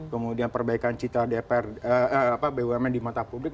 kemudian perbaikan cita bumn di mata publik